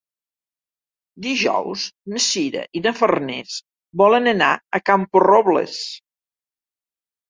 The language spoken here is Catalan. Dijous na Sira i na Farners volen anar a Camporrobles.